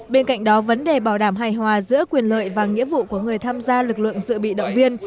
bên cạnh đó vấn đề bảo đảm hài hòa giữa quyền lợi và nghĩa vụ của người tham gia lực lượng dự bị động viên